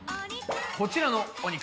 こちらのお肉。